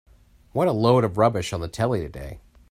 What a load of rubbish on the telly today.